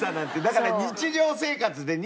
だから。